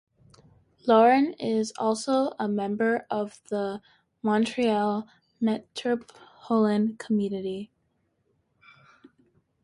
Lorraine is also a member of the Montreal Metropolitan Community.